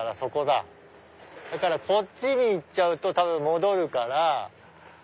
だからこっちに行っちゃうと多分戻るから。